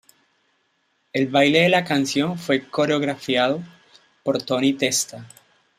El baile de la canción fue coreografiado por Tony Testa.